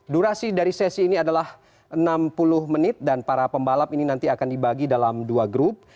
durasi dari sesi ini adalah enam puluh menit dan para pembalap ini nanti akan dibagi dalam dua grup